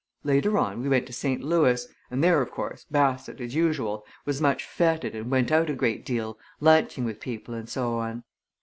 Later on, we went to St. Louis, and there, of course, Bassett, as usual, was much fêted and went out a great deal, lunching with people and so on.